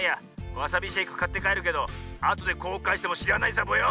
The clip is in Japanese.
わさびシェイクかってかえるけどあとでこうかいしてもしらないサボよ。